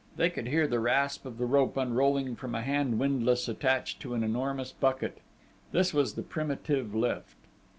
They could hear the rasp of the rope unrolling from a hand windlass attached to an enormous bucket. This was the primitive lift.